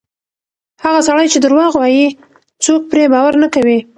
هغه سړی چې درواغ وایي، څوک پرې باور نه کوي.